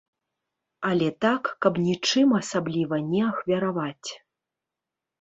Але так, каб нічым асабліва не ахвяраваць.